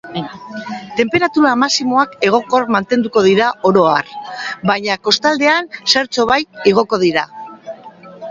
Tenperatura maximoak egonkor mantenduko dira oro har, baina kostaldean zertxobait igoko dira.